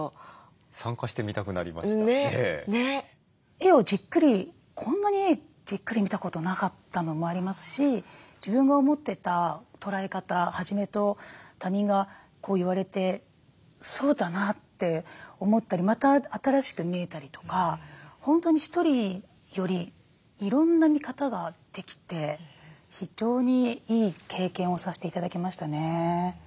絵をじっくりこんなにじっくり見たことなかったのもありますし自分が思ってた捉え方はじめと他人が言われてそうだなって思ったりまた新しく見えたりとか本当に１人よりいろんな見方ができて非常にいい経験をさせて頂きましたね。